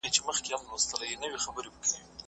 که ښوونکی لارښود وي نو زده کوونکی نه سرګردانه کېږي.